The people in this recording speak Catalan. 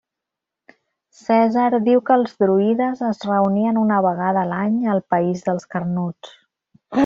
Cèsar diu que els druides es reunien una vegada a l'any al país dels carnuts.